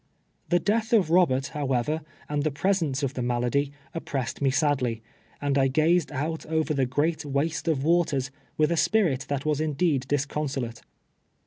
The death of Kobert, however, and the presence of the malady, oppressed mo sadly, and I gazed out over the great waste of waters with a sj^irit that was indeed disconsolate.